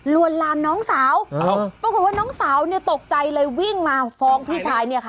วนลามน้องสาวปรากฏว่าน้องสาวเนี่ยตกใจเลยวิ่งมาฟ้องพี่ชายเนี่ยค่ะ